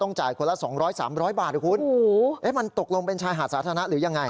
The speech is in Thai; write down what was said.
ต้องจ่ายควรละสองร้อยสามร้อยบาทหรือคุณโหมันตกลงเป็นชายหาดสาธารณะหรือยังไง